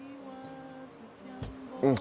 うん。